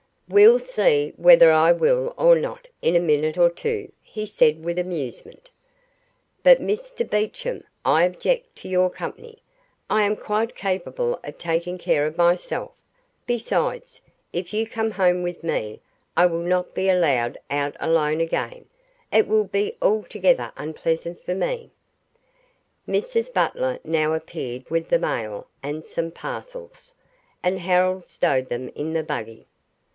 "We'll see whether I will or not in a minute or two," he said with amusement. "But, Mr Betcham, I object to your company. I am quite capable of taking care of myself; besides, if you come home with me I will not be allowed out alone again it will be altogether unpleasant for me." Mrs Butler now appeared with the mail and some parcels, and Harold stowed them in the buggy.